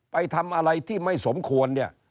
ไปทำอะไรที่ไม่สมควรเนี่ย